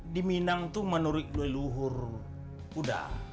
di minang tuh menurut leluhur udah